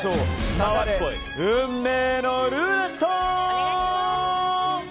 回れ、運命のルーレット！